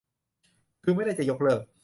คือไม่ได้จะยกเลิก